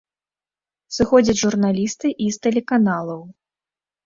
Сыходзяць журналісты і з тэлеканалаў.